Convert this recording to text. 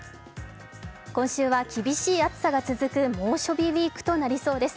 今週は厳しい暑さが続く猛暑日ウィークとなりそうです。